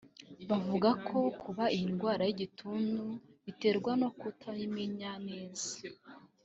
bavuga ko kuba iyi ndwara y’igituntu biterwa no kutayimenya neza